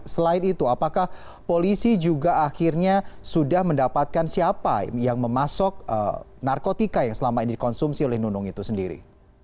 selain itu apakah polisi juga akhirnya sudah mendapatkan siapa yang memasuk narkotika yang selama ini dikonsumsi oleh nunung itu sendiri